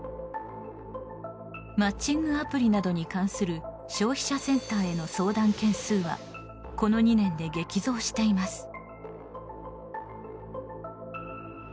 マッチングアプリなどに関する消費者センターへの相談件数はこの２年で激増しています。